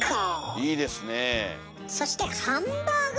いいですねえ。